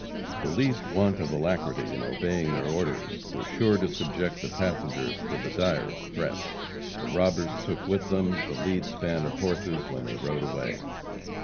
The least want of alacrity in obeying their orders was sure to subject the passengers to the direst threats. The robbers took with them the lead span of horses when they rode away.